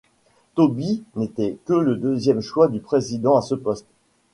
Toby n'était que le deuxième choix du Président à ce poste.